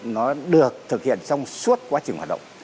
nó được thực hiện trong suốt quá trình hoạt động